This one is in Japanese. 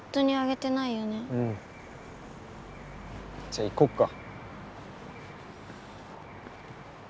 じゃあ行こっか。